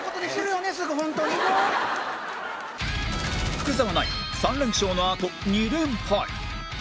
福澤ナイン３連勝のあと２連敗